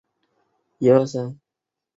以荫叙出仕的直长等历任。